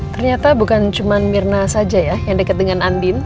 ternyata bukan cuma mirna saja ya yang deket deket